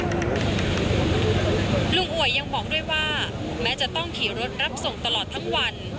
แม้จะต้องขี่รถรับส่งตลอดทั้งวัน